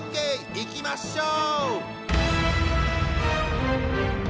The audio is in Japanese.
いきましょう！